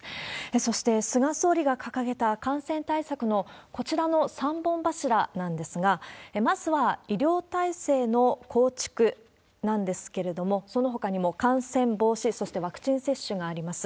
そして、菅総理が掲げた感染対策の、こちらの３本柱なんですが、まずは医療体制の構築なんですけれども、そのほかにも感染防止、そしてワクチン接種があります。